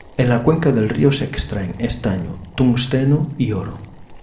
En la cuenca del río se extraen estaño, tungsteno y oro.